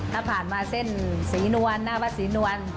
ถ้าผ่านมาเส้นศรีนวลหน้าวัดศรีนวล